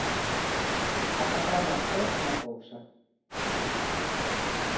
A campaña é unha cousa.